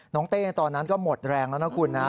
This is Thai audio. เต้ตอนนั้นก็หมดแรงแล้วนะคุณนะ